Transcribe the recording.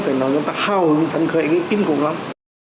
phải nói chúng ta hào hứng thẳng khởi cái kinh cục lắm